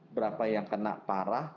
berapa yang kena parah